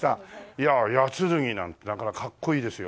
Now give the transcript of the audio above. いや八剱なんてなかなかかっこいいですよ。